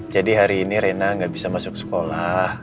jadi hari ini rina gak bisa masuk sekolah